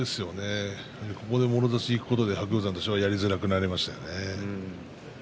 ここで、もろ差しにいくことで白鷹山はやりづらくなりましたよね。